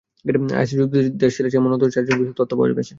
আইএসে যোগ দিতে দেশ ছেড়েছে, এমন অন্তত চারজনের বিষয়ে তথ্য পাওয়া গেছে।